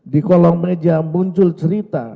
di kolong meja muncul cerita